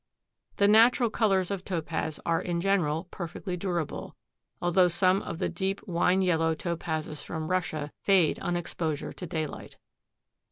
The natural colors of Topaz are in general perfectly durable, although some of the deep wine yellow Topazes from Russia fade on exposure to daylight.